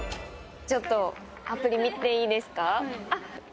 ちょっとアプリ見ていいですか？